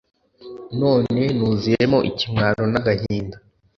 none nuzuyemo ikimwaro n'agahinda